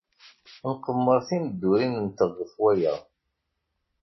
Nqemmer timeddurin-nteɣ ɣef waya.